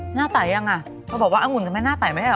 หน้าไต่ยังอะเธอบอกว่างุนก็ไม่หน้าไต่ไหมหรอ